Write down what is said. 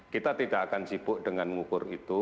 kita tidak akan sibuk dengan mengukur itu